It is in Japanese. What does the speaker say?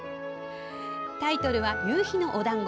タイトルは「夕日のおだんご」。